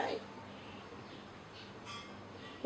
แล้วบอกว่าไม่รู้นะ